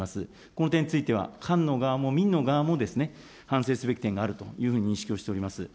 この点については官の側も、民の側も反省すべき点があるというふうに認識をしております。